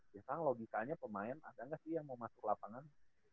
biasanya logikanya pemain ada nggak sih yang mau masuk lapangan